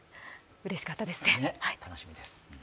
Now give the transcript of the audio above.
うれしかったですね。